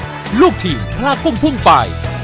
กลุ่มจะพลากุ้งพุ่งไป